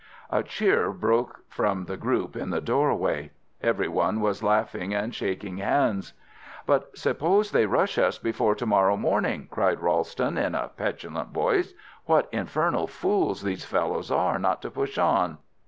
A cheer broke from the group in the doorway. Everyone was laughing and shaking hands. "But suppose they rush us before to morrow morning?" cried Ralston, in a petulant voice. "What infernal fools these fellows are not to push on!